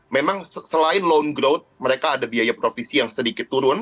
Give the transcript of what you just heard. memang selain long growth mereka ada biaya provisi yang sedikit turun